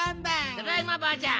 ただいまばあちゃん。